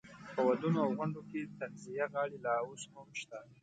په ودونو او غونډو کې طنزیه غاړې لا اوس هم شته.